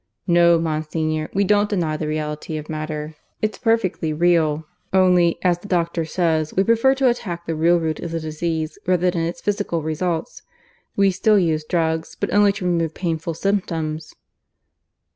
No, Monsignor, we don't deny the reality of matter. It's perfectly real. Only, as the doctor says, we prefer to attack the real root of the disease, rather than its physical results. We still use drugs; but only to remove painful symptoms."